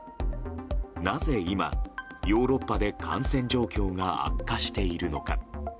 なぜ今、ヨーロッパで感染状況が悪化しているのか。